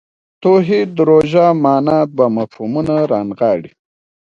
توحید ژوره معنا دوه مفهومونه رانغاړي.